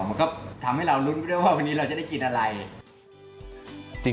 มันก็ทำให้เรารุ้นไปด้วยว่าวันนี้เราจะได้กินอะไร